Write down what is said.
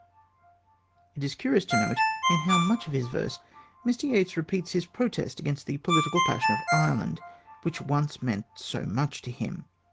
It is curious to note in how much of his verse Mr. Yeats repeats his protest against the political passion of Ireland which once meant so much to him.